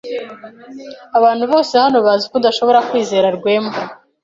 Abantu bose hano bazi ko udashobora kwizera Rwema.